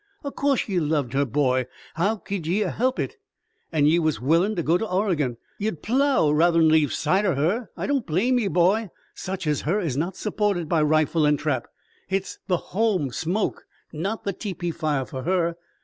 In course ye loved her, boy. How could ye a help hit? An' ye was willin' to go to Oregon ye'd plow rather'n leave sight o' her? I don't blame ye, boy. Such as her is not supported by rifle an' trap. Hit's the home smoke, not the tepee fire, for her.